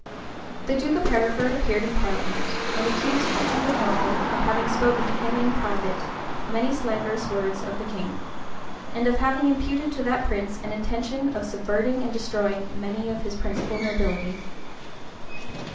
The duke of Hereford appeared in parliament, and accused the duke of Norfolk of having spoken to him, in private, many slanderous words of the king, and of having imputed to that prince an intention of subverting and destroying many of his principal nobility.